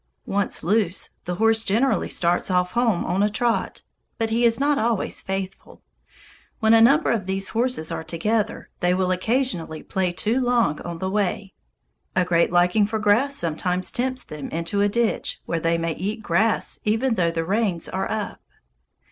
Once loose, the horse generally starts off home on a trot. But he is not always faithful. When a number of these horses are together, they will occasionally play too long on the way. A great liking for grass sometimes tempts them into a ditch, where they may eat grass even though the reins are up.